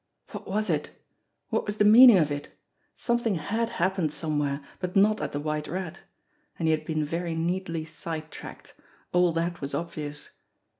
What was it? What was the meaning of it? Something had happened somewhere but not at The White Rat. And he had been very neatly side tracked. All that was obvious.